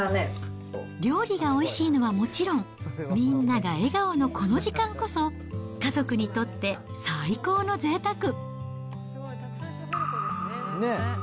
料理がおいしいのはもちろん、みんなが笑顔のこの時間こそ、家族にとって最高のぜいたく。